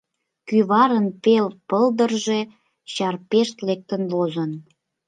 Кӱварын пел пылдырже чарпешт лектын возын.